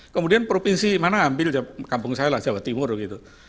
kemudian provinsi mana ambil kampung saya lah jawa timur gitu